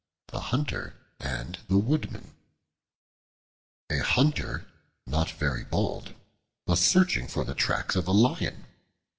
The Hunter and the Woodman A HUNTER, not very bold, was searching for the tracks of a Lion.